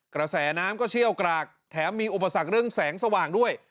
กระแสน้ำก็เชี่ยวกรากแถมมีอุปสรรคเรื่องแสงสว่างด้วย